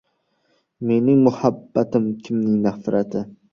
Mening muhabbatim kimning nafrati